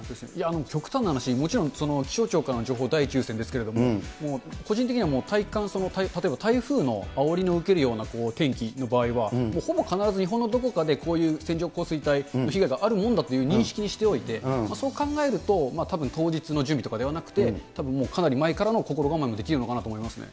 極端な話、もちろん、気象庁からの情報、第一優先ですけれども、個人的には体感、台風のあおりの受けるような天気の場合は、ほぼ必ず日本のどこかでこういう線状降水帯、被害があるもんだという認識にしておいて、そう考えると、たぶん当日の準備とかではなくて、たぶんもうかなり前からの心構えとかもできるのかなと思いますね。